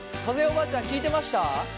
おばあちゃん聞いてました？